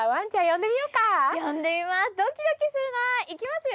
呼んでみます。